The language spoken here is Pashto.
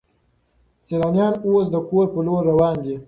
سیلانیان اوس د کور په لور روان دي.